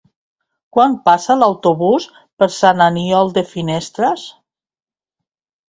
Quan passa l'autobús per Sant Aniol de Finestres?